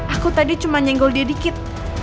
aku tadi cuma nyenggol dia dikit